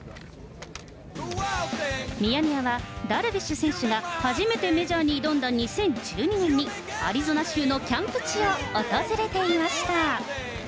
ミヤネ屋はダルビッシュ選手が初めてメジャーに挑んだ２０１２年にアリゾナ州のキャンプ地を訪れていました。